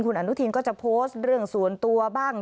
คุณอนุทินก็จะโพสต์เรื่องส่วนตัวบ้าง